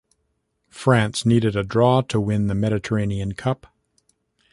France needed a draw to win the Mediterranean Cup.